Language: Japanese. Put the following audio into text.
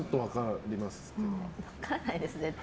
分かんないです、絶対。